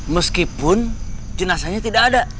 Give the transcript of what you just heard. meskipun jenasanya tidak ada